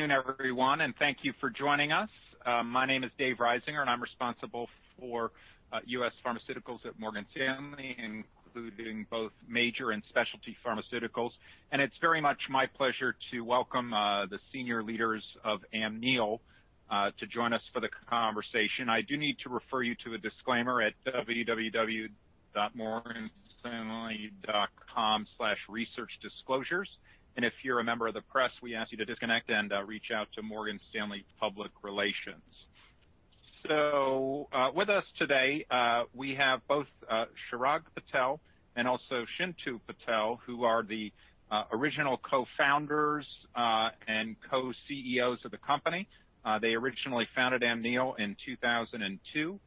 Good afternoon, everyone, thank you for joining us. My name is David Risinger, and I'm responsible for U.S. pharmaceuticals at Morgan Stanley, including both major and specialty pharmaceuticals. It's very much my pleasure to welcome the senior leaders of Amneal to join us for the conversation. I do need to refer you to a disclaimer at www.morganstanley.com/researchdisclosures. If you're a member of the press, we ask you to disconnect and reach out to Morgan Stanley Public Relations. With us today, we have both Chirag Patel and also Chintu Patel, who are the original co-founders and co-CEOs of the company. They originally founded Amneal in 2002,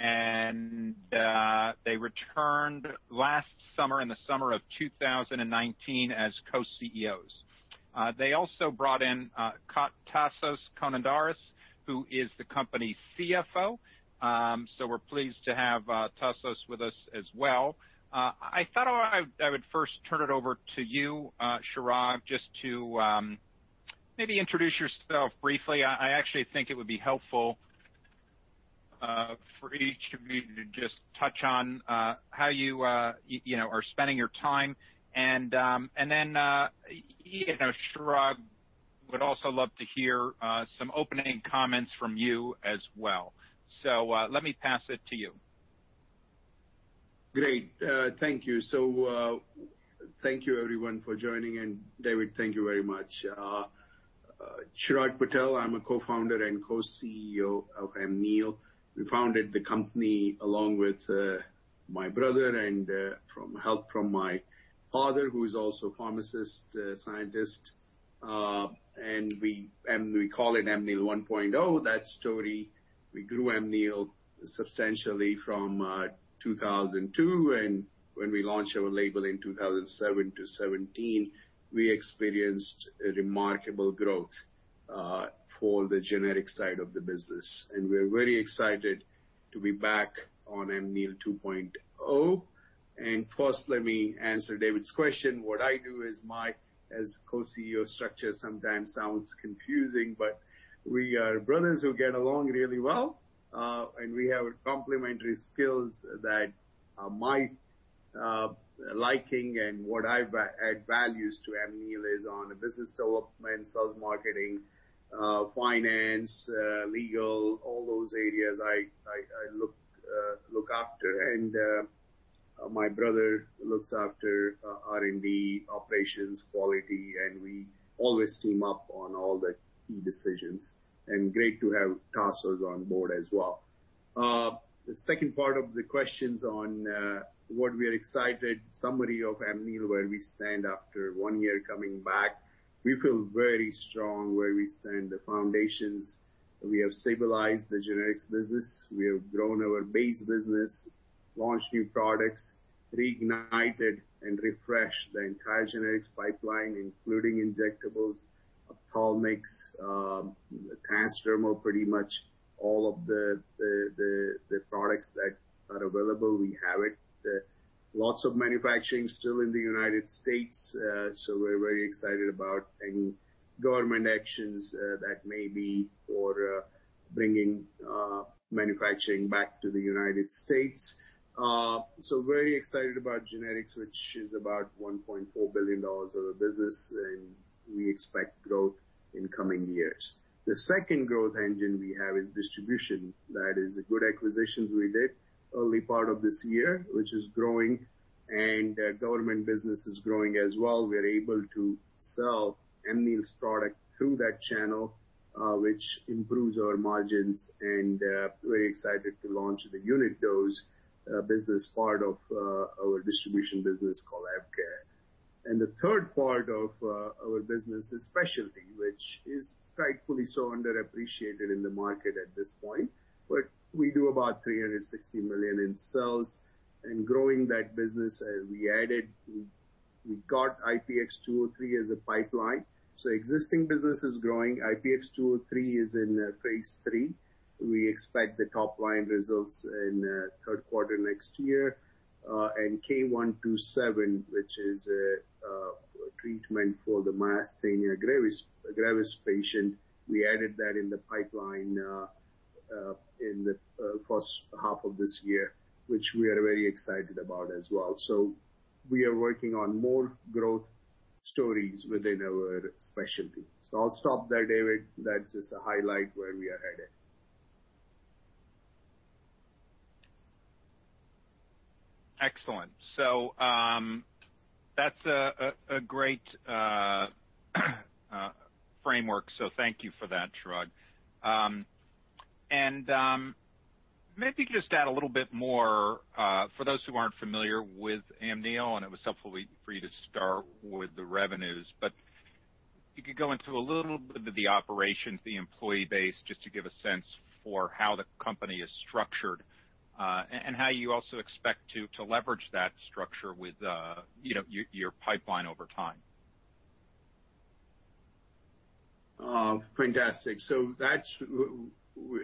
and they returned last summer, in the summer of 2019, as Co-CEOs. They also brought in Tasos Konidaris, who is the company CFO. We're pleased to have Tasos with us as well. I thought I would first turn it over to you, Chirag, just to maybe introduce yourself briefly. I actually think it would be helpful for each of you to just touch on how you are spending your time. Chirag, would also love to hear some opening comments from you as well. Let me pass it to you. Great. Thank you. Thank you everyone for joining, and David, thank you very much. Chirag Patel, I'm a Co-Founder and Co-CEO of Amneal. We founded the company along with my brother and from help from my father, who is also a pharmacist scientist. We call it Amneal 1.0. That story, we grew Amneal substantially from 2002. When we launched our label in 2007 to 2017, we experienced a remarkable growth for the generic side of the business. We're very excited to be back on Amneal 2.0. First, let me answer David's question. What I do as Co-CEO structure sometimes sounds confusing, but we are brothers who get along really well. We have complementary skills that my liking and what I add values to Amneal is on business development, self-marketing, finance, legal, all those areas I look after. My brother looks after R&D, operations, quality, and we always team up on all the key decisions, and great to have Tasos on board as well. The second part of the questions on what we are excited, summary of Amneal, where we stand after one year coming back. We feel very strong where we stand. The foundations, we have stabilized the generics business. We have grown our base business, launched new products, reignited and refreshed the entire generics pipeline, including injectables, ophthalmics, transdermal, pretty much all of the products that are available, we have it. Lots of manufacturing still in the U.S., we're very excited about any government actions that may be for bringing manufacturing back to the U.S. Very excited about generics, which is about $1.4 billion of the business, and we expect growth in coming years. The second growth engine we have is distribution. That is the good acquisitions we did early part of this year, which is growing, and government business is growing as well. We're able to sell Amneal's product through that channel, which improves our margins and very excited to launch the unit dose business part of our distribution business called AvKARE. The third part of our business is specialty, which is rightfully so underappreciated in the market at this point, but we do about $360 million in sales and growing that business. We got IPX203 as a pipeline. Existing business is growing. IPX203 is in phase III. We expect the top line results in third quarter next year. K127, which is a treatment for the myasthenia gravis patient, we added that in the pipeline in the first half of this year, which we are very excited about as well. We are working on more growth stories within our specialty. I'll stop there, David. That's just a highlight where we are headed. Excellent. That's a great framework. Thank you for that, Chirag. Maybe just add a little bit more, for those who aren't familiar with Amneal, and it was helpful for you to start with the revenues, but if you could go into a little bit of the operations, the employee base, just to give a sense for how the company is structured. How you also expect to leverage that structure with your pipeline over time. Fantastic.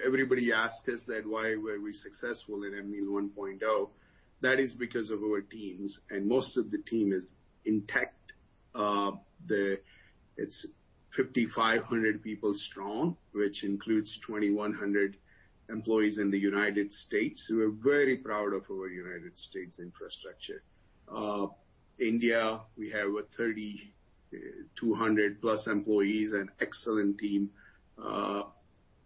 Everybody asked us that why were we successful in Amneal 1.0? That is because of our teams, and most of the team is intact. It's 5,500 people strong, which includes 2,100 employees in the U.S. We're very proud of our U.S. infrastructure. India, we have 3,200+ employees, an excellent team.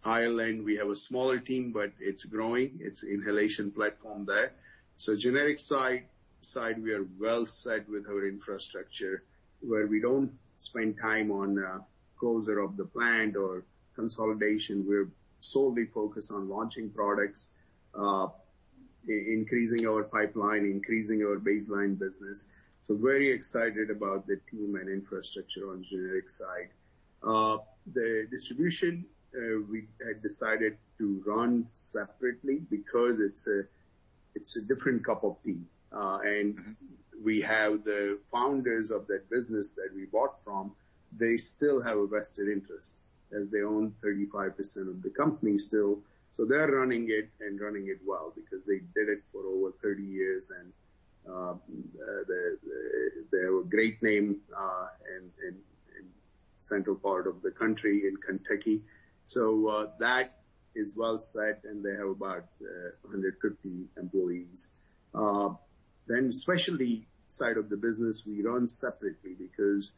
Ireland, we have a smaller team, but it's growing. It's inhalation platform there. Generics side, we are well set with our infrastructure, where we don't spend time on closure of the plant or consolidation. We're solely focused on launching products, increasing our pipeline, increasing our baseline business. Very excited about the team and infrastructure on generics side. The distribution, we had decided to run separately because it's a different cup of tea. We have the founders of that business that we bought from, they still have a vested interest as they own 35% of the company still. They're running it and running it well because they did it for over 30 years and they have a great name in central part of the country in Kentucky. That is well set and they have about 150 employees. Specialty side of the business we run separately because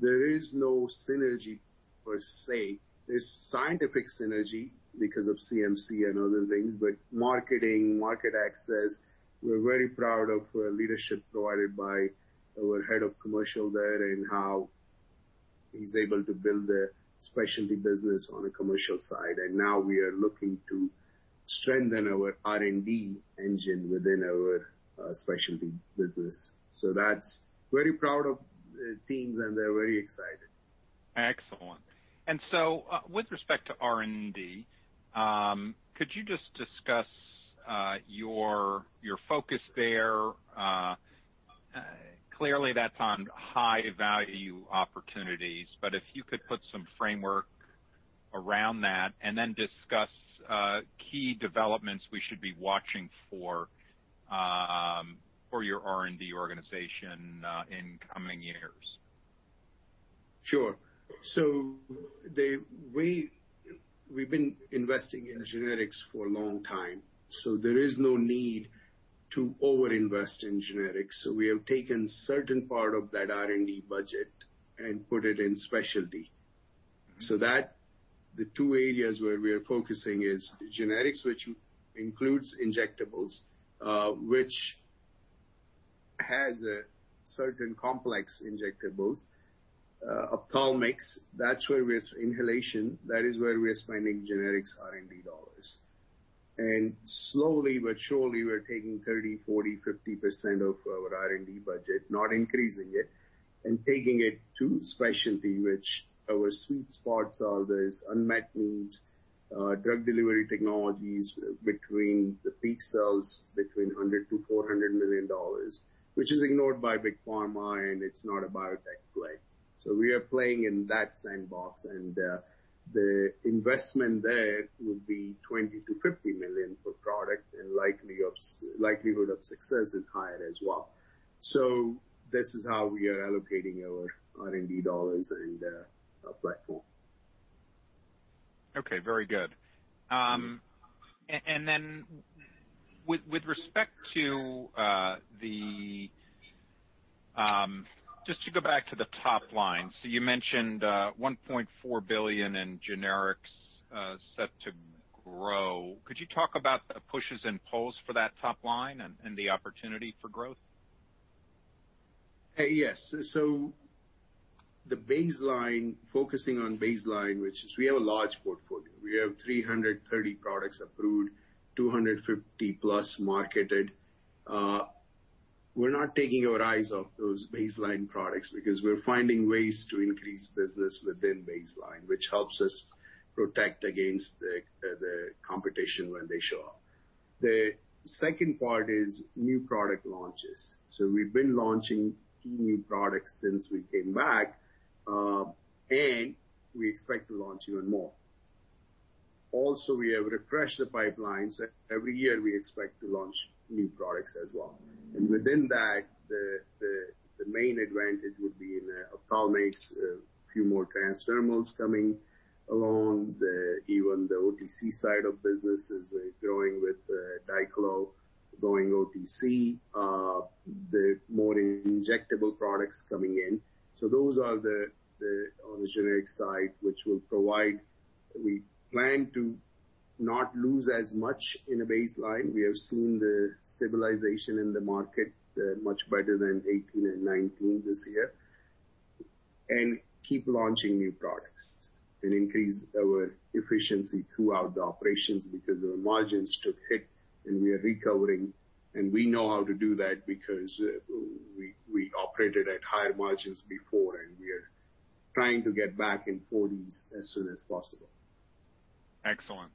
there is no synergy per se. There's scientific synergy because of CMC and other things, but marketing, market access, we're very proud of leadership provided by our head of commercial there and how he's able to build a specialty business on a commercial side. Now we are looking to strengthen our R&D engine within our specialty business. That's very proud of the teams and they're very excited. Excellent. With respect to R&D, could you just discuss your focus there? Clearly that's on high value opportunities, but if you could put some framework around that and then discuss key developments we should be watching for your R&D organization in coming years. Sure. We've been investing in generics for a long time, so there is no need to over-invest in generics. We have taken certain part of that R&D budget and put it in specialty. The two areas where we are focusing is generics, which includes injectables, which has a certain complex injectables. Ophthalmic, inhalation, that is where we are spending generics R&D dollars. Slowly but surely we're taking 30%, 40%, 50% of our R&D budget, not increasing it, and taking it to specialty which our sweet spots are those unmet needs, drug delivery technologies between the peak sales between $100 million and $400 million, which is ignored by big pharma and it's not a biotech play. We are playing in that sandbox and the investment there will be $20 million-$50 million per product and likelihood of success is higher as well. This is how we are allocating our R&D dollars and our platform. Okay, very good. With respect to just to go back to the top line. You mentioned $1.4 billion in generics set to grow. Could you talk about the pushes and pulls for that top line and the opportunity for growth? Yes. Focusing on baseline, which is we have a large portfolio. We have 330 products approved, 250+ marketed. We're not taking our eyes off those baseline products because we're finding ways to increase business within baseline, which helps us protect against the competition when they show up. The second part is new product launches. We've been launching key new products since we came back, and we expect to launch even more. Also, we have refreshed the pipelines. Every year we expect to launch new products as well. Within that, the main advantage would be in the ophthalmics, a few more transdermals coming along. Even the OTC side of business is growing with diclo going OTC, the more injectable products coming in. Those are on the generic side. We plan to not lose as much in a baseline. We have seen the stabilization in the market, much better than 2018 and 2019 this year. Keep launching new products and increase our efficiency throughout the operations because our margins took hit and we are recovering and we know how to do that because we operated at higher margins before and we are trying to get back in 40s as soon as possible Excellent.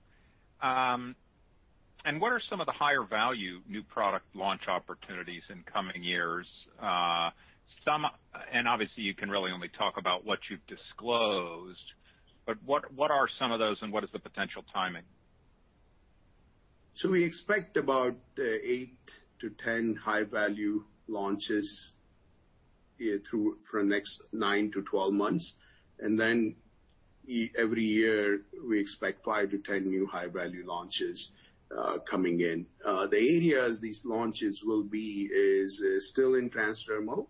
What are some of the higher value new product launch opportunities in coming years? Obviously you can really only talk about what you've disclosed, but what are some of those and what is the potential timing? We expect about 8-10 high-value launches here for the next 9-12 months. Every year, we expect 5-10 new high-value launches coming in. The areas these launches will be is still in transdermal.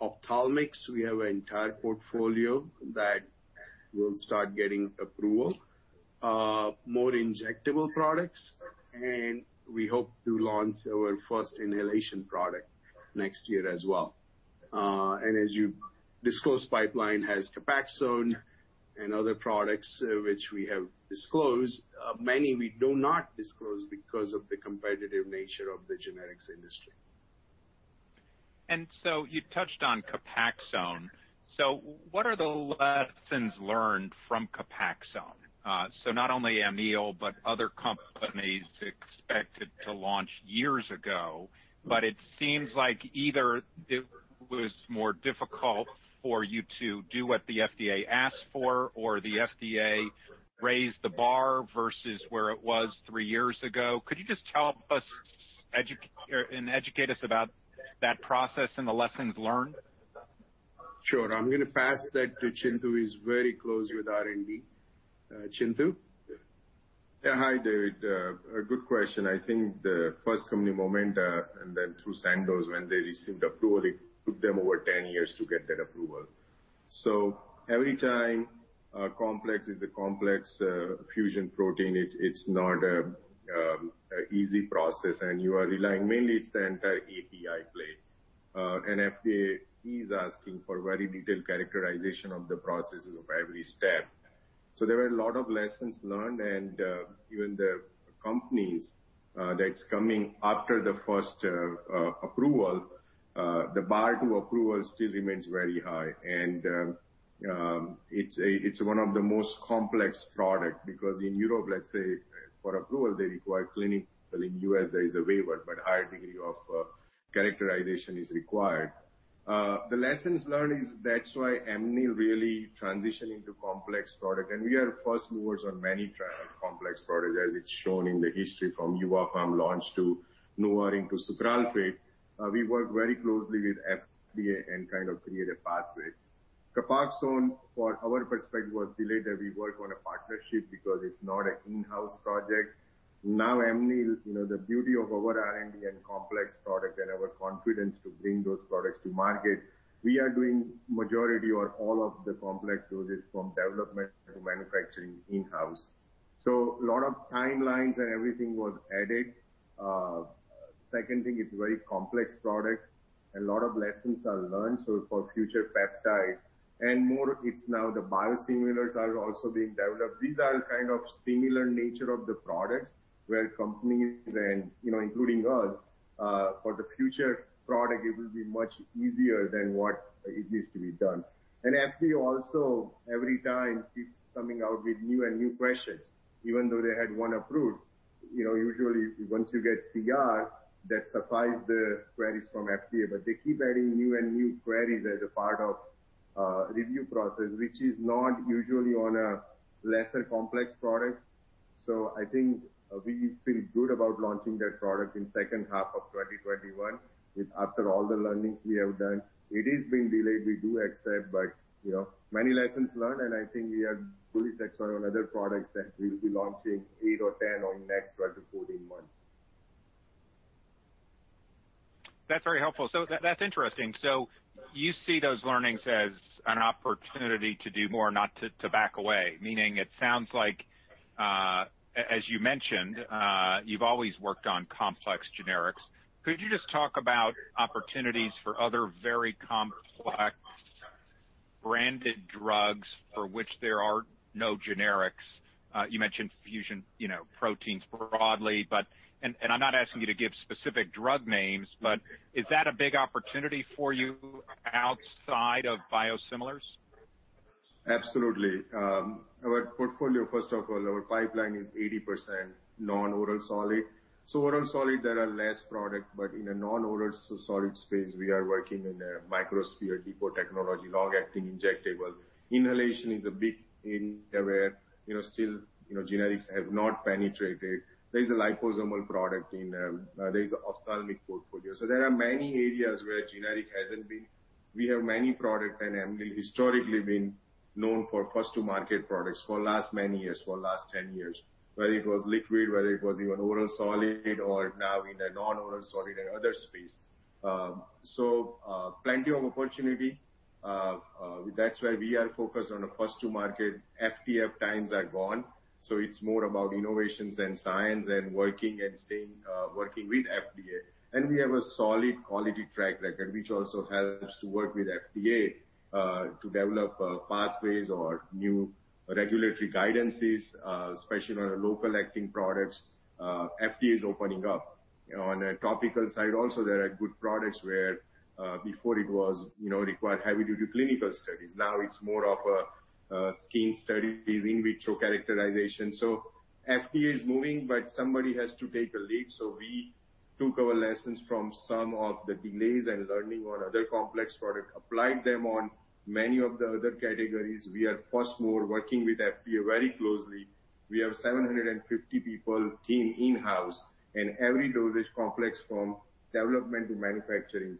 Ophthalmic, we have an entire portfolio that will start getting approval. More injectable products, and we hope to launch our first inhalation product next year as well. As you disclose, pipeline has Copaxone and other products which we have disclosed. Many we do not disclose because of the competitive nature of the generics industry. You touched on Copaxone. What are the lessons learned from Copaxone? Not only Amneal, but other companies expected to launch years ago, but it seems like either it was more difficult for you to do what the FDA asked for, or the FDA raised the bar versus where it was three years ago. Could you just help us and educate us about that process and the lessons learned? Sure. I'm going to pass that to Chintu, who's very close with R&D. Chintu? Yeah. Hi, David. A good question. I think the first company, Momenta Pharmaceuticals, and then through Sandoz, when they received approval, it took them over 10 years to get that approval. Every time a complex is a complex fusion protein, it's not an easy process and you are relying, mainly it's the entire API play. FDA is asking for very detailed characterization of the processes of every step. There were a lot of lessons learned and even the companies that's coming after the first approval, the bar to approval still remains very high. It's one of the most complex product because in Europe, let's say, for approval, they require clinical. In U.S., there is a waiver, but higher degree of characterization is required. The lessons learned is that's why Amneal really transition into complex product. We are first movers on many complex products, as it's shown in the history from Epinephrine Auto-injector launch to NuvaRing to sucralfate. We work very closely with FDA and kind of create a pathway. Copaxone, for our perspective, was delayed as we work on a partnership because it's not an in-house project. Amneal, the beauty of our R&D and complex product and our confidence to bring those products to market, we are doing majority or all of the complex dosage from development to manufacturing in-house. A lot of timelines and everything was added. Second thing, it's very complex product. A lot of lessons are learned, so for future peptides and more, it's now the biosimilars are also being developed. These are kind of similar nature of the products where companies and including us, for the future product, it will be much easier than what it used to be done. FDA also every time keeps coming out with new and new questions, even though they had one approved. Usually, once you get CR, that suffice the queries from FDA, but they keep adding new and new queries as a part of review process, which is not usually on a lesser complex product. I think we feel good about launching that product in second half of 2021 with after all the learnings we have done. It is being delayed, we do accept, but many lessons learned, and I think we are fully stacked on other products that we'll be launching eight or 10 on next 12-14 months. That's very helpful. That's interesting. You see those learnings as an opportunity to do more, not to back away, meaning it sounds like, as you mentioned, you've always worked on complex generics. Could you just talk about opportunities for other very complex branded drugs for which there are no generics? You mentioned fusion proteins broadly, but I'm not asking you to give specific drug names, but is that a big opportunity for you outside of biosimilars? Absolutely. Our portfolio, first of all, our pipeline is 80% non-oral solid. Oral solid, there are less product, but in a non-oral solid space, we are working in a microsphere depot technology, long-acting injectable. Inhalation is a big area where still generics have not penetrated. There's a liposomal product in. There's ophthalmic portfolio. There are many areas where generic hasn't been. We have many product and Amneal historically been known for first to market products for last many years, for last 10 years, whether it was liquid, whether it was even oral solid, or now in a non-oral solid and other space. Plenty of opportunity. That's why we are focused on a first to market. FTF times are gone, it's more about innovations and science and working and staying, working with FDA. We have a solid quality track record, which also helps to work with FDA to develop pathways or new regulatory guidances, especially on a local acting products. FDA is opening up. On a topical side also, there are good products where before it was required heavy-duty clinical studies. Now it's more of a skin study, in vitro characterization. FDA is moving, but somebody has to take a lead, so we took our lessons from some of the delays and learning on other complex products, applied them on many of the other categories. We are much more working with FDA very closely. We have 750 people team in-house, and every dosage complex from development to manufacturing.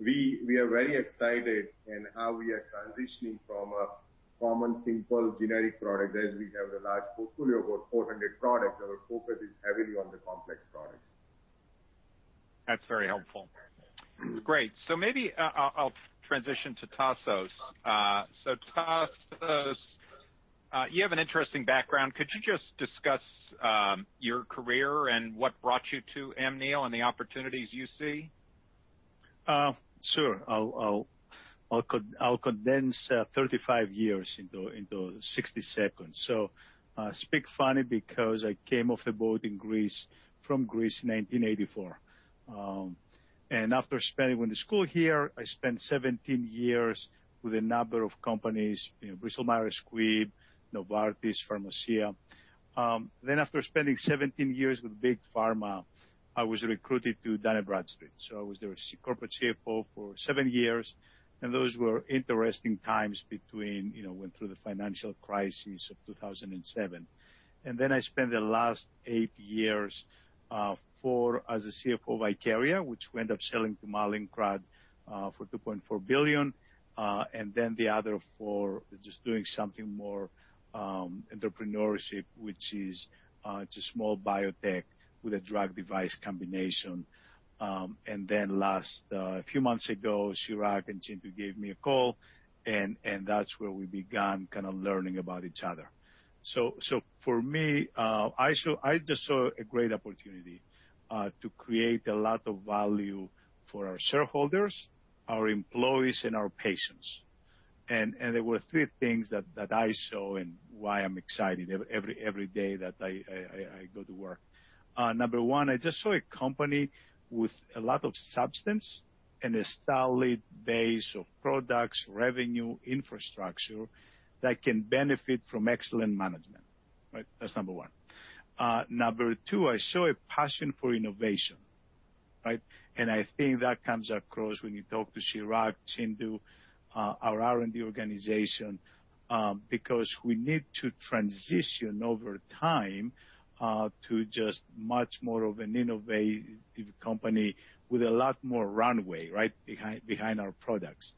We are very excited in how we are transitioning from a common, simple generic product, as we have a large portfolio, about 400 products. Our focus is heavily on the complex products. That's very helpful. Great. Maybe I'll transition to Tasos. Tasos, you have an interesting background. Could you just discuss your career and what brought you to Amneal and the opportunities you see? Sure. I'll condense 35 years into 60 seconds. I speak funny because I came off the boat from Greece, 1984. After going to school here, I spent 17 years with a number of companies, Bristol-Myers Squibb, Novartis, Pharmacia. After spending 17 years with big pharma, I was recruited to Dun & Bradstreet. I was their corporate CFO for seven years, and those were interesting times between went through the financial crisis of 2007. I spent the last eight years, four as a CFO of Ikaria, which we end up selling to Mallinckrodt for $2.4 billion. The other four just doing something more entrepreneurship, which is a small biotech with a drug device combination. Last, a few months ago, Chirag and Chintu gave me a call, and that's where we began kind of learning about each other. For me, I just saw a great opportunity to create a lot of value for our shareholders, our employees, and our patients. There were three things that I saw and why I'm excited every day that I go to work. Number one, I just saw a company with a lot of substance and a solid base of products, revenue, infrastructure that can benefit from excellent management. That's number one. Number two, I saw a passion for innovation. I think that comes across when you talk to Chirag, Chintu, our R&D organization, because we need to transition over time to just much more of an innovative company with a lot more runway behind our products.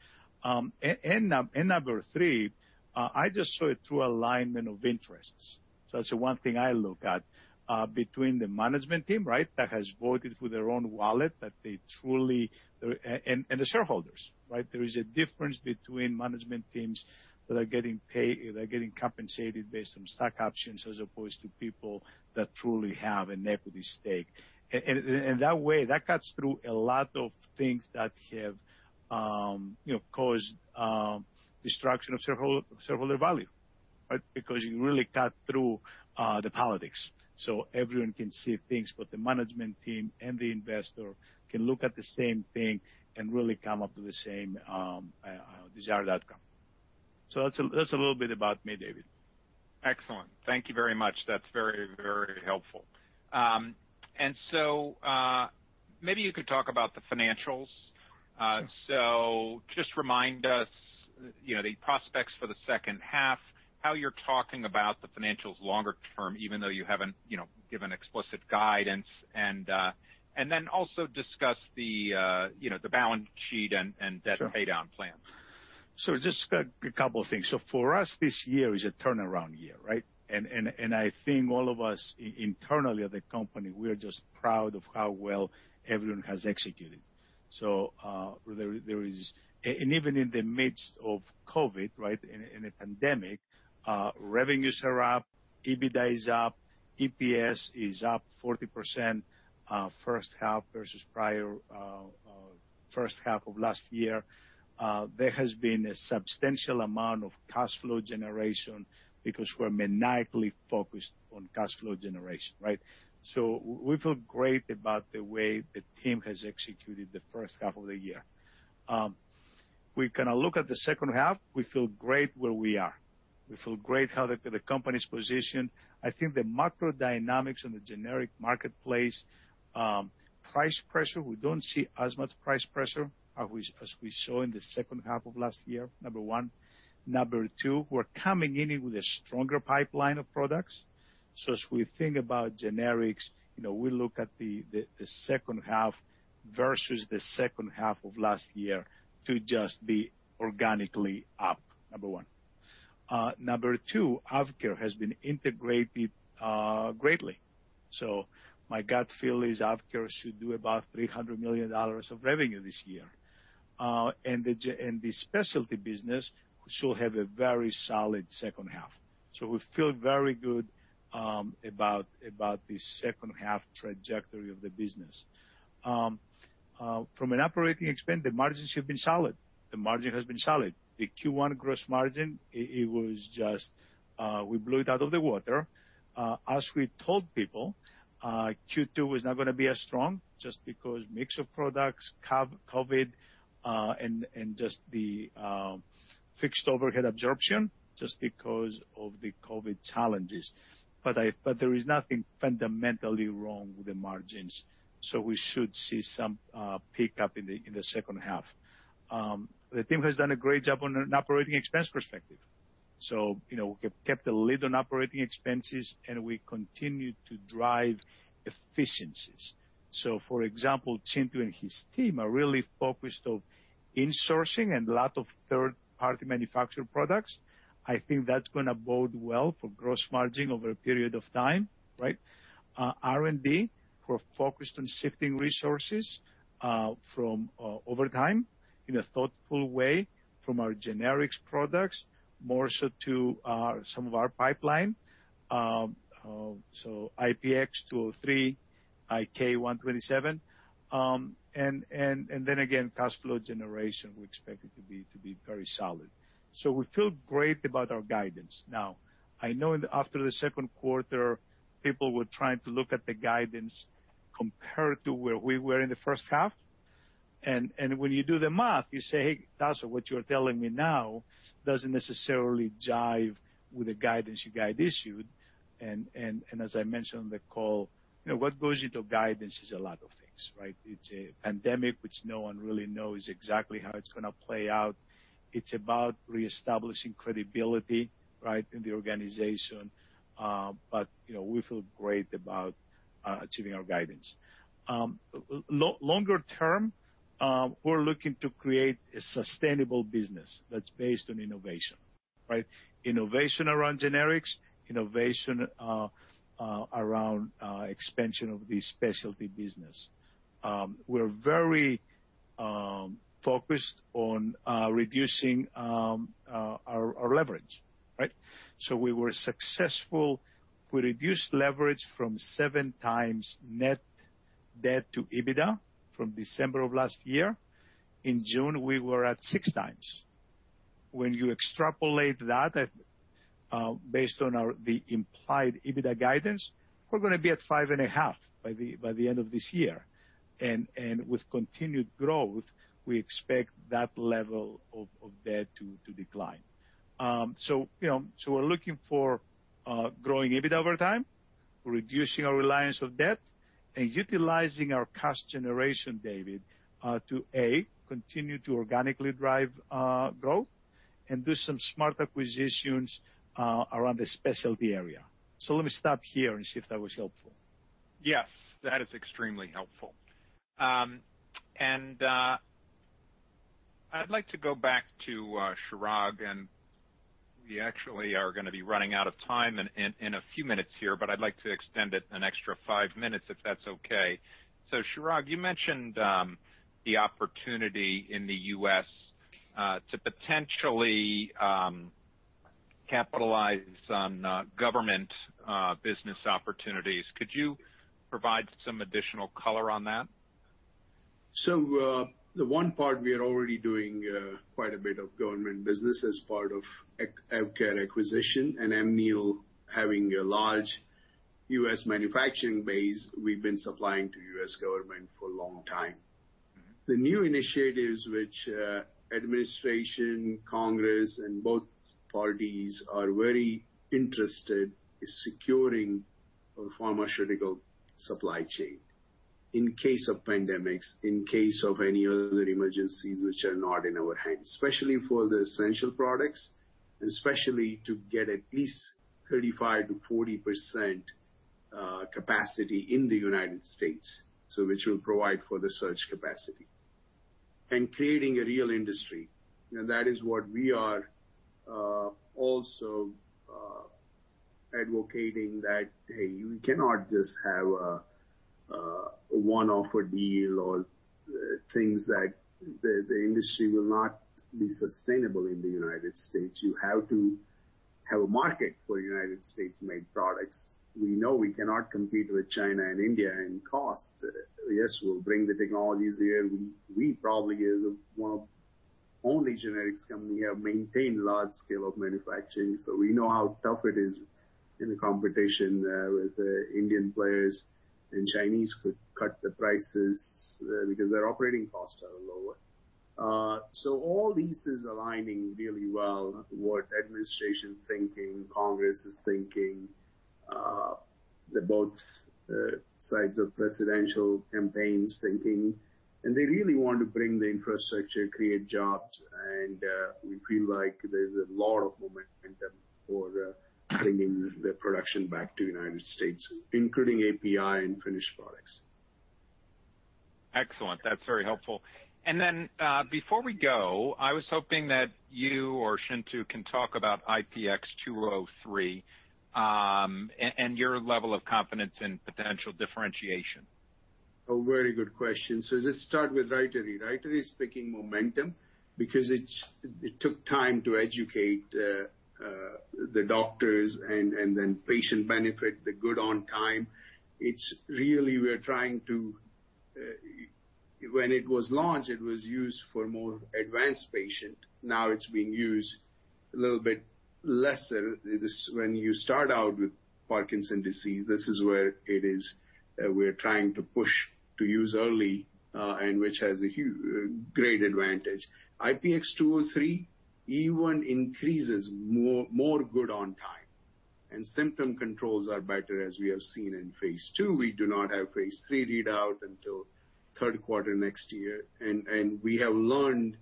Number three, I just saw a true alignment of interests. That's the one thing I look at, between the management team that has voted with their own wallet, and the shareholders. There is a difference between management teams that are getting compensated based on stock options, as opposed to people that truly have an equity stake. In that way, that cuts through a lot of things that have caused destruction of shareholder value. You really cut through the politics. Everyone can see things. The management team and the investor can look at the same thing and really come up with the same desired outcome. That's a little bit about me, David. Excellent. Thank you very much. That's very helpful. Maybe you could talk about the financials. Sure. Just remind us the prospects for the second half, how you're talking about the financials longer term, even though you haven't given explicit guidance. Also discuss the balance sheet and debt pay down plans. Just a couple of things. For us, this year is a turnaround year. I think all of us internally at the company, we're just proud of how well everyone has executed. Even in the midst of COVID, in a pandemic, revenues are up, EBITDA is up, EPS is up 40% first half versus prior first half of last year. There has been a substantial amount of cash flow generation because we're maniacally focused on cash flow generation. We feel great about the way the team has executed the first half of the year. We kind of look at the second half, we feel great where we are. We feel great how the company's positioned. I think the macro dynamics in the generic marketplace, price pressure, we don't see as much price pressure as we saw in the second half of last year, number one. Number two, we're coming in with a stronger pipeline of products. As we think about generics, we look at the second half versus the second half of last year to just be organically up, number one. Number two, AvKARE has been integrated greatly. My gut feel is AvKARE should do about $300 million of revenue this year. The specialty business should have a very solid second half. We feel very good about the second half trajectory of the business. From an operating expense, the margins have been solid. The margin has been solid. The Q1 gross margin, we blew it out of the water. As we told people, Q2 is not going to be as strong just because mix of products, COVID, and just the fixed overhead absorption, just because of the COVID challenges. There is nothing fundamentally wrong with the margins. We should see some pickup in the second half. The team has done a great job on an operating expense perspective. We have kept a lid on operating expenses and we continue to drive efficiencies. For example, Chintu and his team are really focused on insourcing and a lot of third-party manufacture products. I think that's going to bode well for gross margin over a period of time, right? R&D, we're focused on shifting resources over time, in a thoughtful way from our generics products, more so to some of our pipeline. IPX203, K127. Cash flow generation, we expect it to be very solid. We feel great about our guidance. Now, I know after the second quarter, people were trying to look at the guidance compared to where we were in the first half. When you do the math, you say, "Hey, Tasos, what you're telling me now doesn't necessarily jive with the guidance you guys issued." As I mentioned on the call, what goes into guidance is a lot of things, right? It's a pandemic, which no one really knows exactly how it's going to play out. It's about reestablishing credibility, right, in the organization. We feel great about achieving our guidance. Longer term, we're looking to create a sustainable business that's based on innovation, right? Innovation around generics, innovation around expansion of the specialty business. We're very focused on reducing our leverage, right? We were successful. We reduced leverage from 7x net debt to EBITDA from December of last year. In June, we were at 6x. When you extrapolate that based on the implied EBITDA guidance, we're going to be at 5.5x by the end of this year. With continued growth, we expect that level of debt to decline. We're looking for growing EBITDA over time, reducing our reliance on debt, and utilizing our cash generation, David, to, A, continue to organically drive growth and do some smart acquisitions around the specialty area. Let me stop here and see if that was helpful. Yes. That is extremely helpful. I'd like to go back to Chirag. We actually are going to be running out of time in a few minutes here. I'd like to extend it an extra five minutes if that's okay. Chirag, you mentioned the opportunity in the U.S. to potentially capitalize on government business opportunities. Could you provide some additional color on that? The one part we are already doing quite a bit of government business as part of AvKARE acquisition and Amneal having a large U.S. manufacturing base, we've been supplying to U.S. government for a long time. The new initiatives which Administration, Congress, and both parties are very interested in securing a pharmaceutical supply chain in case of pandemics, in case of any other emergencies which are not in our hands. Especially for the essential products, especially to get at least 35%-40% capacity in the U.S. Which will provide for the surge capacity. Creating a real industry. That is what we are also advocating that, hey, we cannot just have a one-offer deal or things that the industry will not be sustainable in the U.S. You have to have a market for U.S.-made products. We know we cannot compete with China and India in cost. Yes, we'll bring the technologies here. We probably is one of only generics company have maintained large scale of manufacturing. We know how tough it is in the competition with the Indian players, and Chinese could cut the prices because their operating costs are lower. All this is aligning really well what administration's thinking, Congress is thinking, the both sides of presidential campaigns thinking. They really want to bring the infrastructure, create jobs, and we feel like there's a lot of momentum for bringing the production back to United States, including API and finished products. Excellent. That's very helpful. Before we go, I was hoping that you or Chintu can talk about IPX203, and your level of confidence and potential differentiation. A very good question. Just start with RYTARY. RYTARY is picking momentum because it took time to educate the doctors and then patient benefit, the Good On time. When it was launched, it was used for more advanced patient. Now it's being used a little bit lesser. When you start out with Parkinson's disease, this is where it is we're trying to push to use early, and which has a great advantage. IPX203 even increases more Good On time, and symptom controls are better as we have seen in phase II. We do not have phase III readout until third quarter next year. We have learned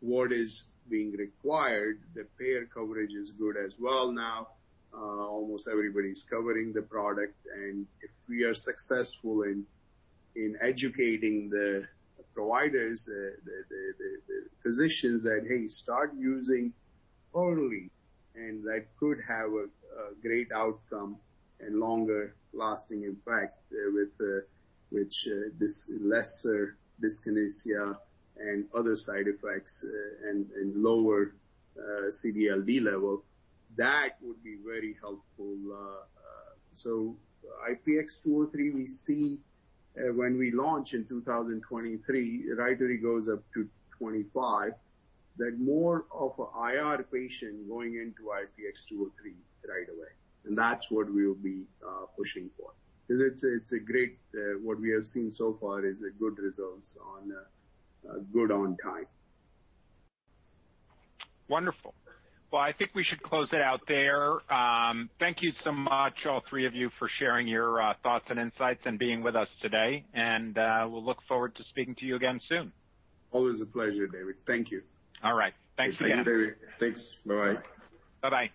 what is being required. The payer coverage is good as well now. Almost everybody's covering the product, and if we are successful in educating the providers, the physicians that, hey, start using early, and that could have a great outcome and longer-lasting impact with which this lesser dyskinesia and other side effects and lower CD/LD level. That would be very helpful. IPX203, we see when we launch in 2023, RYTARY goes up to 2025, that more of IR patient going into IPX203 right away. That's what we'll be pushing for, because what we have seen so far is good results on Good On time. Wonderful. Well, I think we should close it out there. Thank you so much, all three of you, for sharing your thoughts and insights and being with us today. We'll look forward to speaking to you again soon. Always a pleasure, David. Thank you. All right. Thanks again. Thank you, David. Thanks. Bye-bye. Bye-bye.